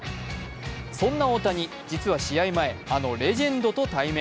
そんな大谷、実は試合前、あのレジェンドと対面。